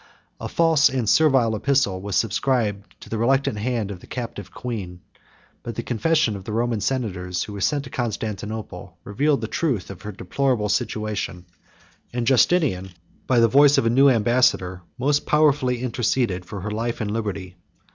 A false and servile epistle was subscribed, by the reluctant hand of the captive queen: but the confession of the Roman senators, who were sent to Constantinople, revealed the truth of her deplorable situation; and Justinian, by the voice of a new ambassador, most powerfully interceded for her life and liberty.